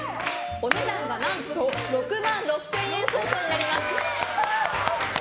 お値段は何と６万６０００円相当になります！